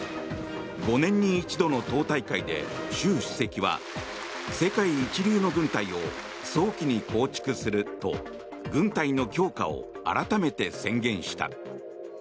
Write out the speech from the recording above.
５年に一度の党大会で、習主席は世界一流の軍隊を早期に構築すると軍隊の強化を改めて宣言した。